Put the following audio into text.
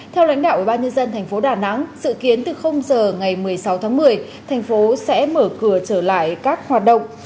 theo lãnh đạo ủy ban nhân dân thành phố đà nẵng sự kiến từ giờ ngày một mươi sáu tháng một mươi thành phố sẽ mở cửa trở lại các hoạt động